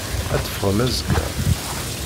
Ad teffɣem azekka?